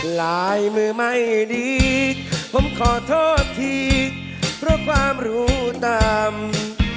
ลายมือไม่ดีผมขอโทษทีเพราะความรู้ต่ำ